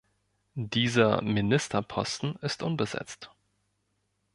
Dieser Ministerposten ist unbesetzt.